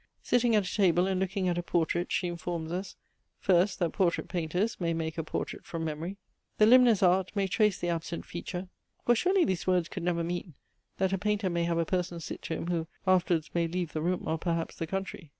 Sitting at a table, and looking at a portrait, she informs us First, that portrait painters may make a portrait from memory, "The limner's art may trace the absent feature." For surely these words could never mean, that a painter may have a person sit to him who afterwards may leave the room or perhaps the country?